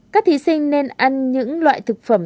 các thí sinh nên ăn những loại thực phẩm